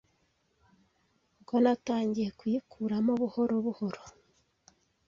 Ubwo natangiye kuyikuramo buhor buhoro